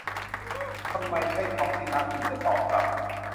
'ทำไมใช่ทอมที่รัก' คุณจะตอบกลับ